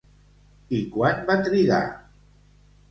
I quant van trigar?